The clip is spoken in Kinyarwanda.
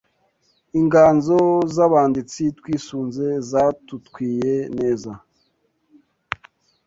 Inganzo z’Abanditsi twisunze zatutwiye neza